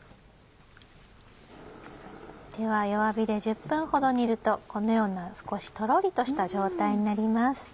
では弱火で１０分ほど煮るとこのような少しとろりとした状態になります。